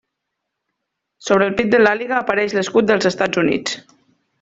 Sobre el pit de l'àliga apareix l'escut dels Estats Units.